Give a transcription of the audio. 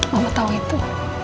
mama tau itu